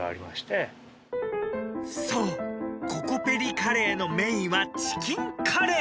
［そうココペリカレーのメインはチキンカレー］